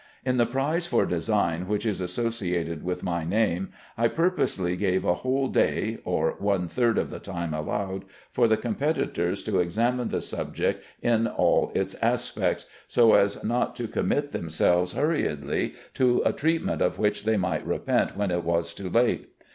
In the prize for design which is associated with my name, I purposely gave a whole day (or one third of the time allowed) for the competitors to examine the subject in all its aspects, so as not to commit themselves hurriedly to a treatment of which they might repent when it was too late.